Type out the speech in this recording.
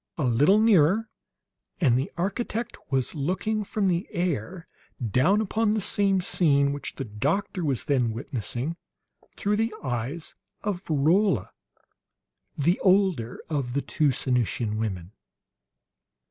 A little nearer, and the architect was looking, from the air, down upon the same scene which the doctor was then witnessing through the eyes of Rolla, the older of the two Sanusian women.